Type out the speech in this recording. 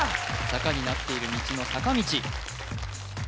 坂になっている道のさかみち